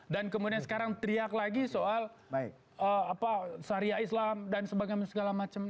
dan kemudian sekarang teriak lagi soal syariah islam dan sebagainya segala macam